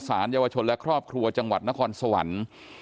สารเยาวชนและครอบครัวจังหวัดนครสวรรค์